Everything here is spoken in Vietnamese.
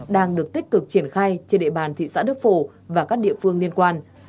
đang được tích cực triển khai trên địa bàn thị xã đức phổ và các địa phương liên quan